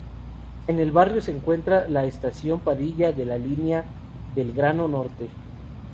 En el barrio se encuentra la Estación Padilla, de la línea Belgrano Norte.